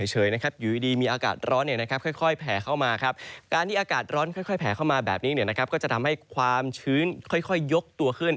หื้นค่อยยกตัวขึ้น